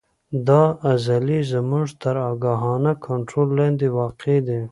دا عضلې زموږ تر آګاهانه کنترول لاندې واقع دي.